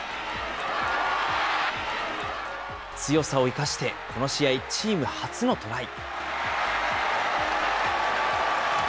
強さを生かしてこの試合、チーム初のトライ。